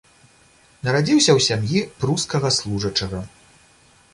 Нарадзіўся ў сям'і прускага служачага.